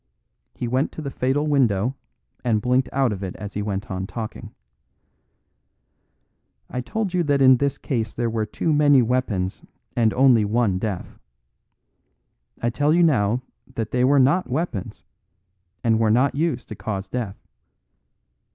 He went to the fatal window, and blinked out of it as he went on talking. "I told you that in this case there were too many weapons and only one death. I tell you now that they were not weapons, and were not used to cause death.